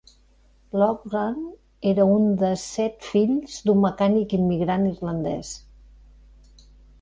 Loughran era un de set fills d'un mecànic immigrant irlandès.